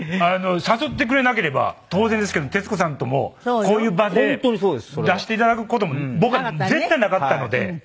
誘ってくれなければ当然ですけど徹子さんともこういう場で出していただく事も僕は絶対なかったので。